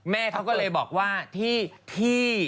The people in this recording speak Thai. แม่เขาก็เลยบอกว่าที่